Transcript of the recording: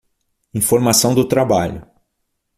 Informação do trabalho